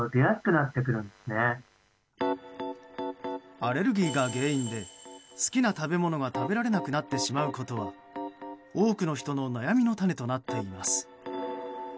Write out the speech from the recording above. アレルギーが原因で好きな食べ物が食べられなくなってしまうことは多くの人の悩みの種となっています。